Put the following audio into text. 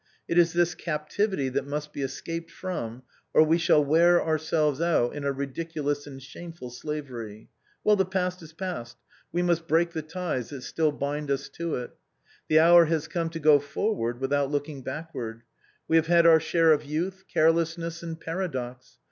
It is this cap tivity that must be escaped from, or we shall wear our selves out in a ridiculous and shameful slavery. Well, the past is past, we must break the ties that still bind us to it. The hour has come to go forward without looking backward; we have had our share of youth, carelessness, and paradox.